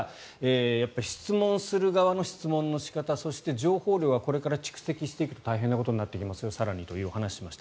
やっぱり質問する側の質問の仕方そして情報量はこれから蓄積していくと更に大変なことになっていきますよというお話をしました。